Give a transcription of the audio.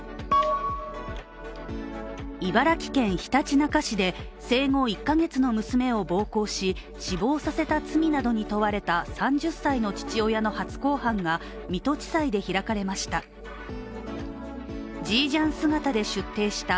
茨城県ひたちなか市で生後１カ月の娘を暴行し死亡させた罪などに問われた３０歳の父親の初公判が水戸地裁で開かれました。